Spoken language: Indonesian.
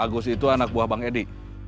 agus itu anak buah bang edi